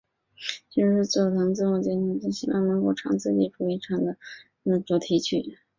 据说是佐藤自我推荐希望能够唱自己主演的战队主题曲。